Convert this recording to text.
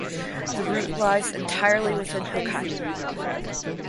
The route lies entirely within Hokkaido.